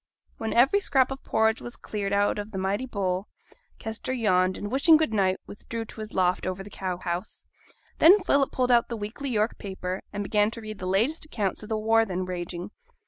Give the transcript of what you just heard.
When every scrap of porridge was cleared out of the mighty bowl, Kester yawned, and wishing good night, withdrew to his loft over the cow house. Then Philip pulled out the weekly York paper, and began to read the latest accounts of the war then raging.